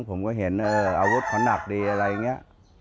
ผมก็เห็นอาวุธเขาหนักดีอะไรอย่างนี้